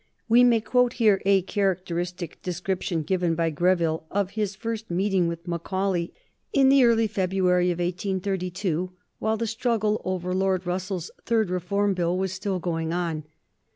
We may quote here a characteristic description given by Greville of his first meeting with Macaulay in the early February of 1833, while the struggle over Lord Russell's third Reform Bill was still going on.